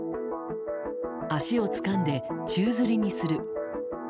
足をつかんで宙づりにする。